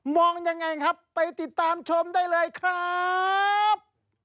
มองอย่างไรครับไปติดตามชมได้เลยครับ